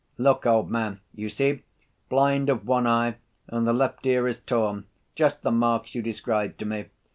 "Look, old man, you see, blind of one eye and the left ear is torn, just the marks you described to me.